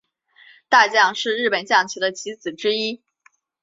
大将是日本将棋的棋子之一。